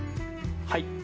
はい。